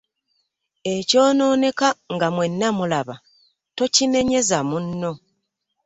Ekyononeka nga mwenna mulaba tokinenyeza munno .